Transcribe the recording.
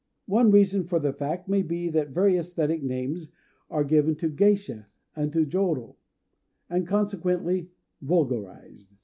One reason for the fact may be that very æsthetic names are given to geisha and to jôro, and consequently vulgarized.